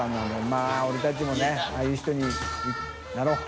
まぁ俺たちもねああいう人になろう。